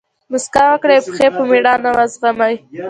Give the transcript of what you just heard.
مسکا وکړئ! او پېښي په مېړانه وزغمئ!